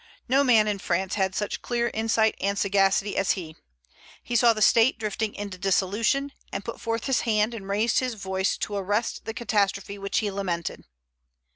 No man in France had such clear insight and sagacity as he. He saw the State drifting into dissolution, and put forth his hand and raised his voice to arrest the catastrophe which he lamented.